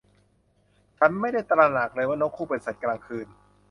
ฉันไม่ได้ตระหนักเลยว่านกฮูกเป็นสัตว์กลางคืน